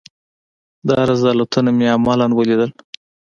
دا رذالتونه مې عملاً وليدل.